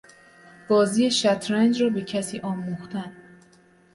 بازی شطرنج را به کسی آموختن